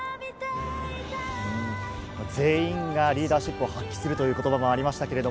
全員がリーダーシップを発揮するという言葉もありました。